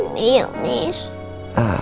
nanti aku bisa